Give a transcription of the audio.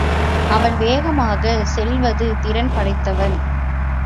அவன் வேகமாகச் செல்லும் திறன் படைத்தவன்.